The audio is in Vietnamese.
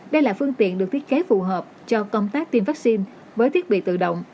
đây là phương tiện được thiết kế phù hợp cho công tác tiêm vaccine với thiết bị tự động